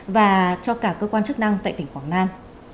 và cho cả cơ quan chức năng tại tỉnh quảng nam